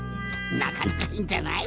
なかなかいいんじゃない？